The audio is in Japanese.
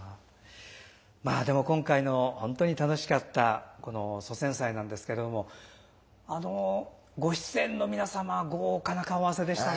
まあでも今回の本当に楽しかったこの祖先祭なんですけどもご出演の皆様豪華な顔合わせでしたね。